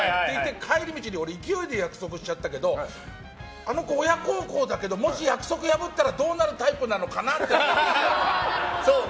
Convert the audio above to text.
帰り道に勢いで約束しちゃったけどあの子、親孝行だけどもし約束破ったらどうなるタイプなのかなって。